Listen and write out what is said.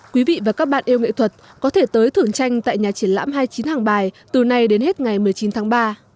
quý vị và các bạn yêu nghệ thuật có thể tới thưởng tranh tại nhà triển lãm hai mươi chín hàng bài từ nay đến hết ngày một mươi chín tháng ba